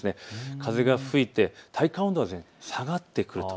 風が吹いて体感温度が下がってくると。